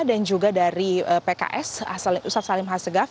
dan juga dari pks ustaz salim hasegaf